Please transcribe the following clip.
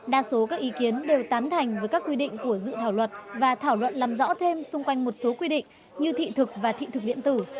đa số các ý kiến đều tán thành với các quy định của dự thảo luật và thảo luận làm rõ thêm xung quanh một số quy định như thị thực và thị thực điện tử